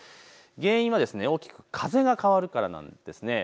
原因は大きく風が変わるからなんです。